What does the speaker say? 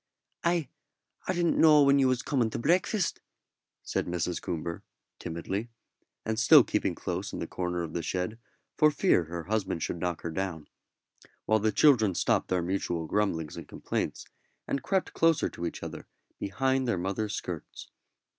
"I I didn't know when you was coming to breakfast," said Mrs. Coomber, timidly, and still keeping close in the corner of the shed for fear her husband should knock her down; while the children stopped their mutual grumblings and complaints, and crept closer to each other behind their mother's skirts.